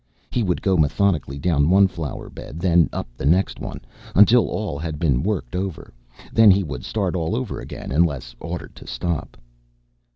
He would go methodically down one flower bed, then up the next one, until all had been worked over, then would start all over again unless ordered to stop.